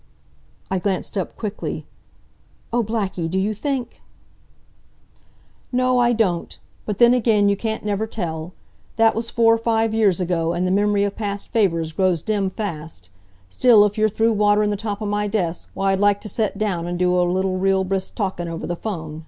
I glanced up, quickly. "Oh, Blackie, do you think " "No, I don't. But then again, you can't never tell. That was four or five years ago, and the mem'ry of past favors grows dim fast. Still, if you're through waterin' the top of my desk, why I'd like t' set down and do a little real brisk talkin' over the phone.